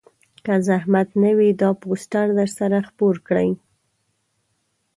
که زحمت نه وي دا پوسټر درسره خپور کړئ